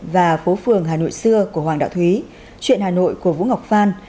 và phố phường hà nội xưa của hoàng đạo thúy chuyện hà nội của vũ ngọc phan